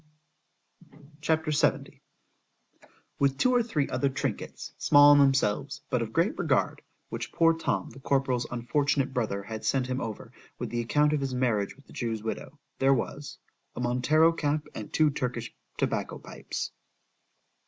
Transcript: C H A P. LXVII WITH two or three other trinkets, small in themselves, but of great regard, which poor Tom, the corporal's unfortunate brother, had sent him over, with the account of his marriage with the Jew's widow——there was A Montero cap and two Turkish tobacco pipes.